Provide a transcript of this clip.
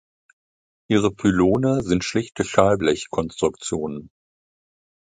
Ihre Pylone sind schlichte Stahlblech-Konstruktionen.